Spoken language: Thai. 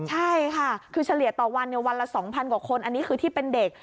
ใช่ค่ะคือเฉลี่ยต่อวันวันละ๒๐๐กว่าคนอันนี้คือที่เป็นเด็ก